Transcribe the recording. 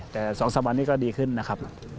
แต่๒๓วันนี้ก็ดีขึ้นนะครับ